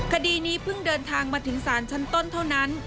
คดีนี้เพิ่งเดินทางมาถึงศาลชั้นต้นเท่านั้น